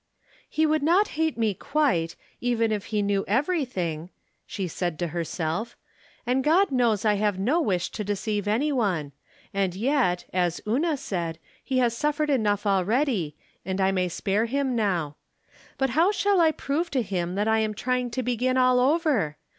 " He would not hate me quite, even if he knew everything," she said to herself; "and God knows I have no wish to deceive any one. And yet, as Una said, he has suffered enough already, 345 346 From Different Standpoints. and I may spare him now. But how shall I prove to him that I am trying to begin all over